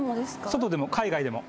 外でも海外でも。